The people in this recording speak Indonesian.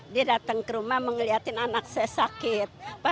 dia datang ke rumah mengeliatin anak saya sakit